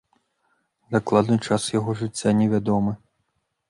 Дакладны час яго жыцця не вядомы.